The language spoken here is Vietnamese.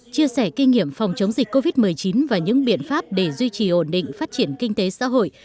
chia sẻ kinh nghiệm phòng chống dịch covid một mươi chín và những biện pháp để duy trì ổn định phát triển kinh tế xã hội